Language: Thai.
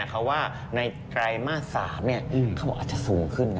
เขาว่าในกรายมาสาปเขาบอกว่าอาจจะสูงขึ้นนะ